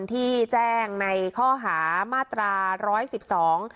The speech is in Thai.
ที่แจ้งในข้อหามาตราร้อยสิบสอง